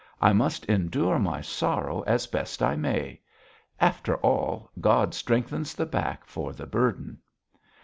I must endure my sorrow as best I may. After all, God strengthens the back for the burden.'